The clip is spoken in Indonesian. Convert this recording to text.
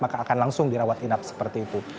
maka akan langsung dirawat inap seperti itu